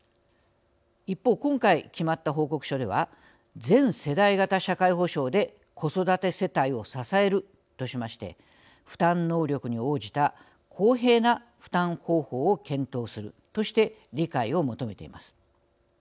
一方今回決まった報告書では全世代型社会保障で子育て世帯を支えるとしまして負担能力に応じた公平な負担方法を検討するとして理解を求めています。